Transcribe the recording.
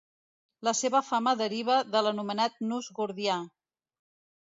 La seva fama deriva de l'anomenat nus gordià.